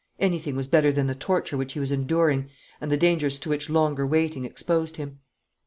Anything was better than the torture which he was enduring and the dangers to which longer waiting exposed him.